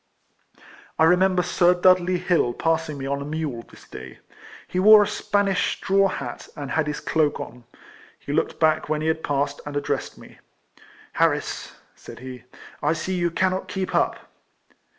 I rememher Sir Dudley Hill passing me on a mule this day. He wore a Spanish straw hat, and had his cloak on. He looked back when he had passed, and addressed me. " Harris," said he, " I see you cannot keep up."